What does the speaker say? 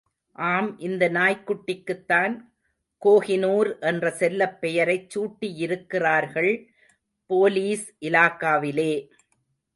ஆம் இந்த நாய்க்குட்டிக்குத்தான் கோஹினூர் என்ற செல்லப் பெயரைச் சூட்டியிருக்கிறார்கள் போலீஸ் இலாகாவிலே!